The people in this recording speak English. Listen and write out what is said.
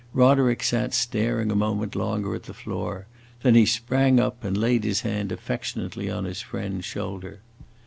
Roderick sat staring a moment longer at the floor, then he sprang up and laid his hand affectionately on his friend's shoulder.